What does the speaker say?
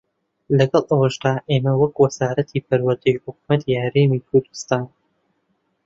لەگەڵ ئەوەشدا ئێمە وەک وەزارەتی پەروەردەی حکوومەتی هەرێمی کوردستان